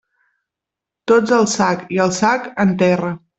Tots al sac, i el sac, en terra.